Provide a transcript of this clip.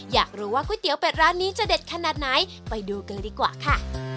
อยากรู้ว่าก๋วยเตี๋ยวเป็ดร้านนี้จะเด็ดขนาดไหนไปดูกันดีกว่าค่ะ